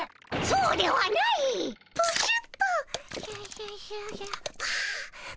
そうではないっ！